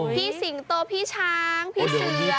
สิงโตพี่ช้างพี่เสือ